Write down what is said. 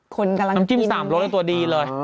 คนกำลังกินน้ำจิ้มสามร้อยตัวดีเลย